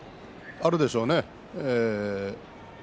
あるでしょうね。